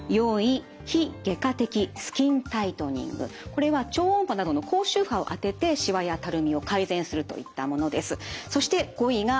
これは超音波などの高周波を当ててしわやたるみを改善するといったものです。